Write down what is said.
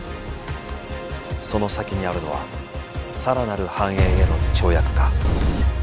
その先にあるのは更なる繁栄への跳躍か。